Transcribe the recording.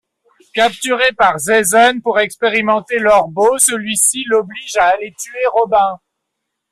Capturée par Zaizen pour expérimenter l'Orbo, celui-ci l'oblige à aller tuer Robin.